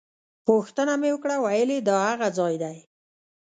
پوښتنه مې وکړه ویل یې دا هغه ځای دی.